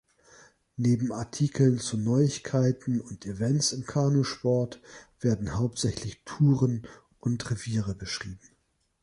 Neben Artikeln zu Neuigkeiten und Events im Kanusport werden hauptsächlich Touren und Reviere beschrieben.